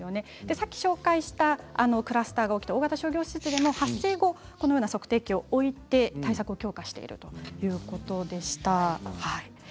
さっき紹介したクラスターが起きた大型商業施設でも発生後にこうした測定器を置いて対策しているということでした。